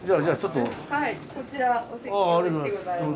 こちらお席ご用意してございます。